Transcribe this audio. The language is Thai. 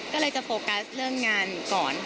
ก็เลยจะโฟกัสเรื่องงานก่อน